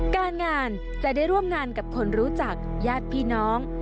การงานจะได้ร่วมงานกับคนรู้จักญาติพี่น้อง